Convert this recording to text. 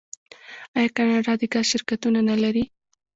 آیا کاناډا د ګاز شرکتونه نلري؟